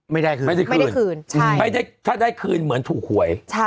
ไม่ได้คืนไม่ได้คืนใช่ถ้าได้คืนเหมือนถูกหวย